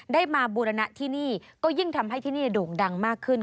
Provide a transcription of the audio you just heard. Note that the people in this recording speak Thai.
ได้มาบูรณะที่นี่ก็ยิ่งทำให้ที่นี่โด่งดังมากขึ้น